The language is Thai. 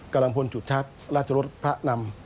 กำลังพลจุดทักราชรสพระนำ